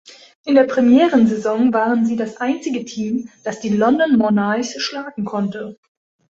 In der Premieren-Saison waren sie das einzige Team, das die London Monarchs schlagen konnte.